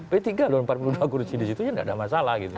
p tiga empat puluh dua kursi disitu ya tidak ada masalah gitu